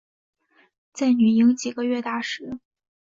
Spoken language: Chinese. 在女婴几个月大时